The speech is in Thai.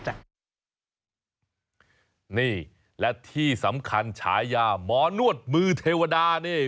นี่และที่สำคัญฉายาหมอนวดมือเทวดานี่